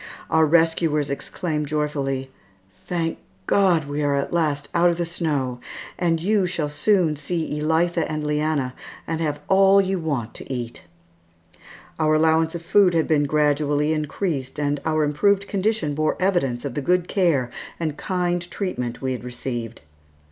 Our rescuers exclaimed joyfully, "Thank God, we are at last out of the snow, and you shall soon see Elitha and Leanna, and have all you want to eat." Our allowance of food had been gradually increased and our improved condition bore evidence of the good care and kind treatment we had received.